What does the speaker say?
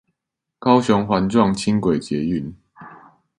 高雄環狀輕軌捷運